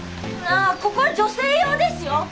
ここは女性用ですよ。